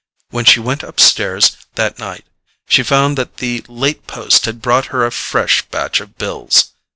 When she went upstairs that night she found that the late post had brought her a fresh batch of bills.